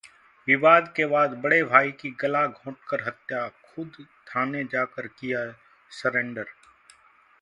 विवाद के बाद बड़े भाई की गला घोंटकर हत्या, खुद थाने जाकर किया सरेंडर